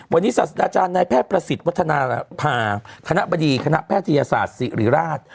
วันนี้ศาสตราจารย์นายแพทย์ประสิทธิ์วัฒนภาคณะบดีคณะแพทยศาสตร์ศิริราช